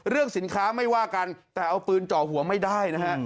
สินค้าไม่ว่ากันแต่เอาปืนเจาะหัวไม่ได้นะฮะ